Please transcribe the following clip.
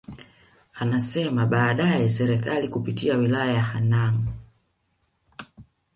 Anasema baadaye Serikali kupitia Wilaya ya Hanang